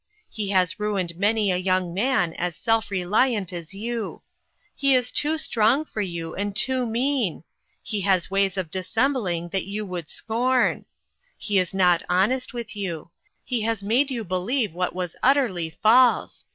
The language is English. He has ruined many a young man as self reliant as you. He is too strong for you, and too mean ! He has ways of dissembling that you would scorn. He is not honest with you. He has made you believe what was utterly false.